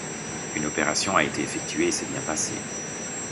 Une opération a été effectuée et s'est bien passée.